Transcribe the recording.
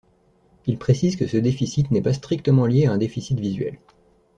Il précise que ce déficit n'est pas strictement lié à un déficit visuel.